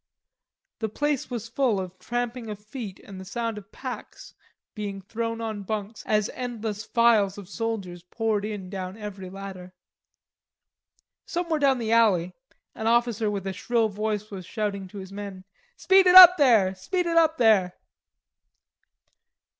The place was full of tramping of feet and the sound of packs being thrown on bunks as endless files of soldiers poured in down every ladder. Somewhere down the alley an officer with a shrill voice was shouting to his men: "Speed it up there; speed it up there."